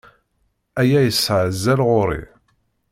Aya yesɛa azal ɣer-i.